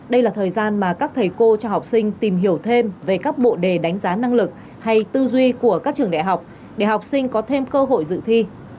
đây là thời gian mà các thầy cô cho học sinh tìm hiểu thêm về các bộ đề đánh giá năng lực hay tư duy của các trường đại học để học sinh có thêm cơ hội dự thi